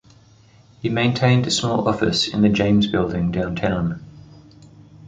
He maintained a small office in the James building downtown.